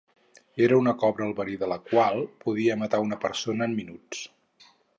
Era una cobra el verí de la qual podia matar una persona en minuts.